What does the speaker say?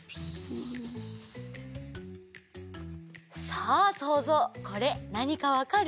さあそうぞうこれなにかわかる？